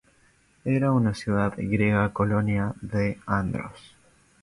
Era una ciudad griega colonia de Andros.